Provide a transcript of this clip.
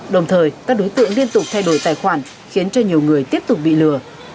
đồng thời các đối tượng liên tục thay đổi tài khoản khiến cho nhiều người tiếp tục bị lừa